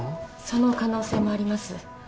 その可能性もあります。